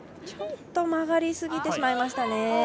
ちょっと曲がりすぎてしまいましたね。